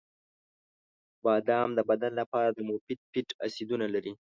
• بادام د بدن لپاره د مفید فیټ اسیدونه لري.